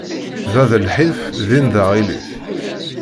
Da d lḥif, din d aɣilif.